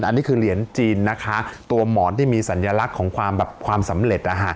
อันนี้คือเหรียญจีนนะคะตัวหมอนที่มีสัญลักษณ์ของความแบบความสำเร็จ